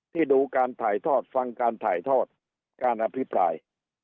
ดูการถ่ายทอดฟังการถ่ายทอดการอภิปราย